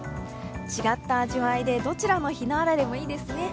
違った味わいで、どちらのひなあられもいいですね。